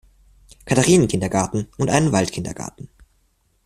Katharinen-Kindergarten" und einen Waldkindergarten.